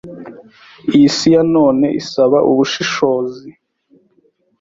Iyisi ya none isaba ubushishozi